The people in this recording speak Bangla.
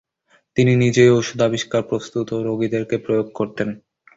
তিনি নিজেই ঔষধ আবিষ্কার, প্রস্তুত ও রোগীদেরকে প্রয়োগ করতেন।